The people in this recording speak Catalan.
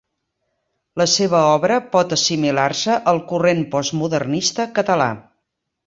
La seva obra pot assimilar-se al corrent postmodernista català.